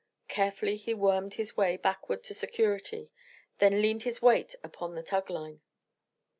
Carefully he wormed his way backward to security, then leaned his weight upon the tugline.